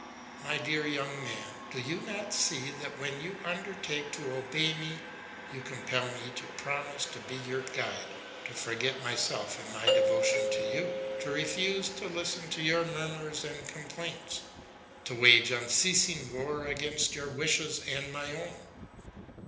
My dear young man, do you not see that when you undertake to obey me, you compel me to promise to be your guide, to forget myself in my devotion to you, to refuse to listen to your murmurs and complaints, to wage unceasing war against your wishes and my own.